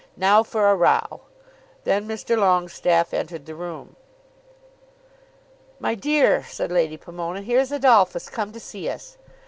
Now for a row." Then Mr. Longestaffe entered the room. "My dear," said Lady Pomona, "here's Adolphus come to see us."